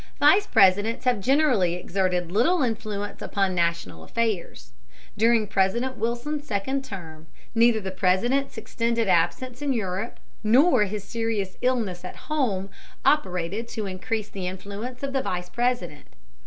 Vice Presidents have generally exerted little influence upon national affairs. During President Wilson's second term, neither the President's extended absence in Europe, nor his serious illness at home, operated to increase the influence of the Vice President.